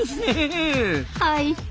はい。